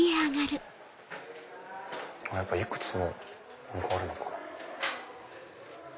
やっぱりいくつもあるのかな。